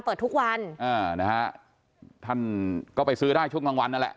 เปิดทุกวันอ่านะฮะท่านก็ไปซื้อได้ช่วงกลางวันนั่นแหละ